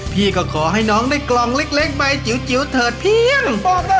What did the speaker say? พี่ก็ขอให้น้องได้กล่องเล็กใบจิ๋วเถิดเพียง